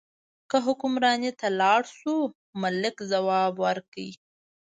که حکمرانۍ ته لاړ شو، ملک ځواب ورکړ.